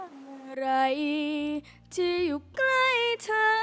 เมื่อไหร่ที่อยู่ใกล้เธอ